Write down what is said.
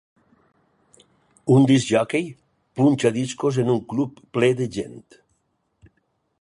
Un discjòquei punxa discos en un club ple de gent.